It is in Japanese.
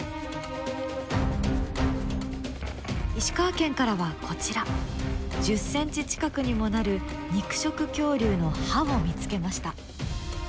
石川県からはこちら１０ｃｍ近くにもなる肉食恐竜の歯を見つけました。